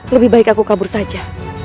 lebih baik aku kabur saja